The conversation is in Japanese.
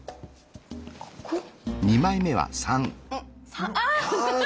３。